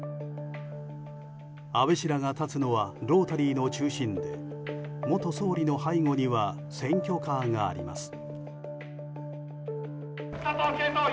安倍氏らが立つのはロータリーの中心で元総理の背後には選挙カーがあります。